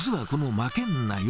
負けんなよ。